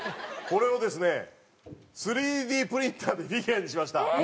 これをですね３Ｄプリンターでフィギュアにしました。